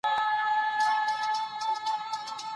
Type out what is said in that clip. هر څومره چې یې مصرف کړئ.